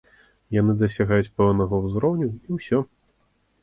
Яны дасягаюць пэўнага ўзроўню, і ўсё.